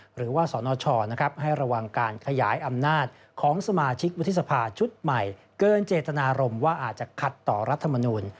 หรือว่าสนชให้ระวังการขยายอำนาจของสมาชิกวุฒิสภาชุดใหม่เกินเจตนารมณ์ว่าอาจจะขัดต่อรัฐมนูล